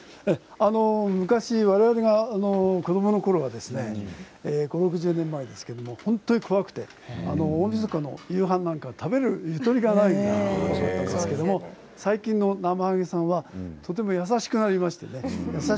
昔われわれの子どものころは５０、６０年前ですけど本当に怖くて大みそか、夕飯なんか食べるゆとりがないような感じでしたが最近のなまはげさんはとても優しくなりましたね。